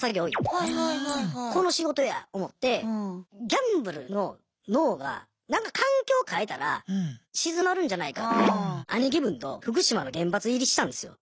ギャンブルの脳がなんか環境変えたら鎮まるんじゃないかって兄貴分と福島の原発入りしたんですよ。